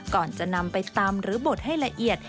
ก่อนจะนำไปตำหรือบดให้ละเอียด